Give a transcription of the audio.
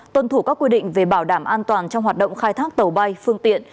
tuân thủ các quy định về bảo đảm an toàn trong hoạt động khai thác tàu bay phương tiện